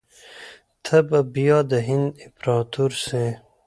ته به بیا د هند امپراطور سې.